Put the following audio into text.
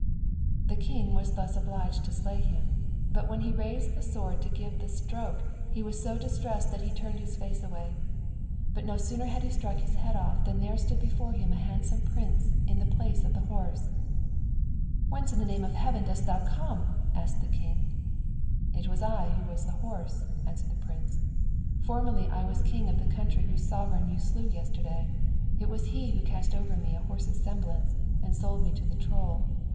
The king was then obliged to slay him; but when he raised the sword to give the stroke he was so distressed that he turned his face away; but no sooner had he struck his head off than there stood before him a handsome prince in the place of the horse. "Whence in the name of Heaven didst thou come?" asked the king. "It was I who was the horse," answered the prince. "Formerly I was king of the country whose sovereign you slew yesterday; it was he who cast over me a horse's semblance, and sold me to the Troll.